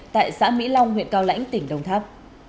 tại xã mỹ long huyện cao lãnh tỉnh đồng tháp